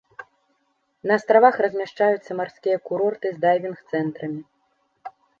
На астравах размяшчаюцца марскія курорты з дайвінг-цэнтрамі.